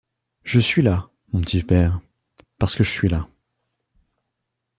Je suis là, mon petit père, parce que je suis là.